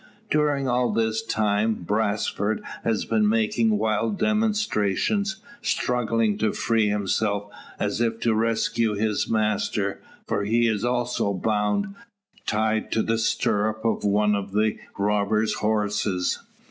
During all this time Brasfort has been making wild demonstrations, struggling to free himself, as if to rescue his master. For he is also bound, tied to the stirrup of one of the robber's horses.